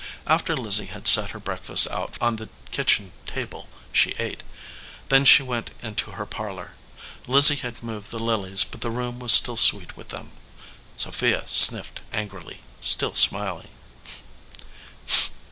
After Lizzie had set her breakfast out on the kitchen table she ate. Then she went into her parlor. Lizzie had moved the lilies, but the room was still sweet with them. Sophia sniffed angrily, still smiling.